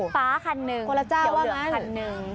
ฟ้าคันนึงเขียวเหลืองคันนึง